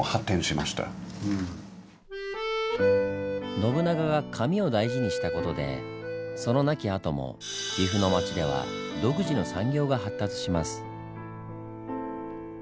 信長が紙を大事にした事でその亡き後も岐阜の町では独自の産業が発達します。